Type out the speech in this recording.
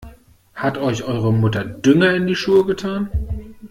Hat euch eure Mutter Dünger in die Schuhe getan?